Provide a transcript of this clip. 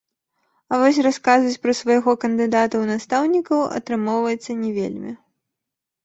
А вось расказваць пра свайго кандыдата ў настаўнікаў атрымоўваецца не вельмі.